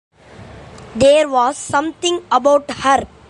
There was something about her.